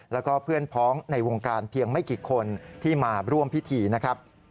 แล้วก็เพื่อนพ้องในวงการเพียงไม่กี่คนที่มาร่วมพิธีนะครับ